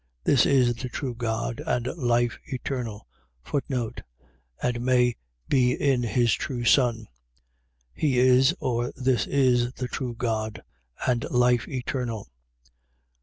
This is the true God and life eternal. And may be in his true Son. He is, or this is the true God, and life eternal.